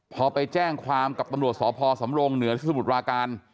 พอไปแจ้งความกับตำรวจสพสำรงเหนือที่สมุทรปราการ